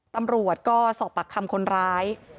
ตำรวจก็สอบปากคำคนร้าย